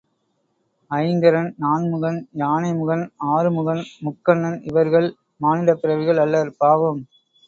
ஐங்கரன், நான்முகன், யானைமுகன், ஆறுமுகன் முக்கண்ணன் இவர்கள் மானிடப் பிறவிகள் அல்லர் பாவம்!